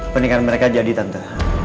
peninggal mereka jadi tante